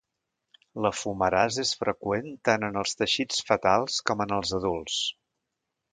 La fumarasa és freqüent tant en els teixits fetals com en els adults.